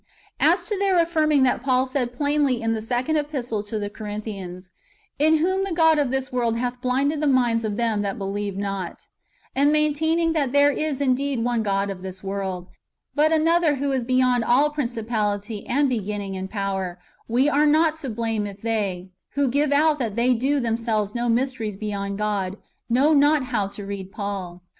As to their affirming that Paul said plainly in the Second [Epistle] to the Corinthians, " In whom the God of this world hath blinded the minds of them that believe not," ^ and maintaining that there is indeed one God of this world, but another who is beyond all principality, and beginning, and power, we are not to blame if they, who give out that they do themselves know mysteries beyond God, know not how to read Paul.